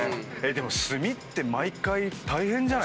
でも炭って毎回大変じゃないですか？